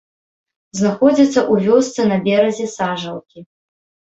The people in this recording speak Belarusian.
Знаходзіцца ў вёсцы на беразе сажалкі.